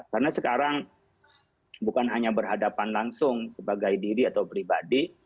karena sekarang bukan hanya berhadapan langsung sebagai diri atau pribadi